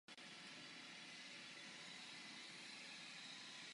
Kaple byla po smrti zakladatele a zrušení bratrstva udržována dobrovolníky ze sousedství.